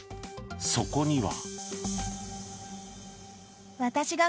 そこには。